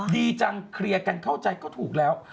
ดีจังเคลียร์กันเข้าใจก็ถูกแล้ว